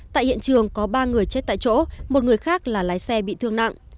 tại hiện trường có ba người chết tại chỗ một người khác là lái xe bị thương nặng